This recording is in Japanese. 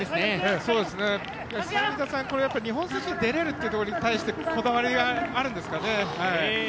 猿見田さん、日本選手権に出れるっていうことに対してこだわりがあるんですかね。